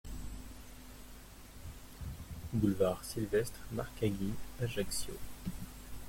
Boulevard Sylvestre Marcaggi, Ajaccio